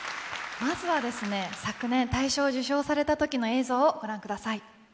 まずは昨年大賞を受賞されたときの映像をご覧ください。